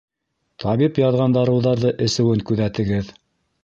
Табип яҙған дарыуҙарҙы эсеүен күҙәтегеҙ.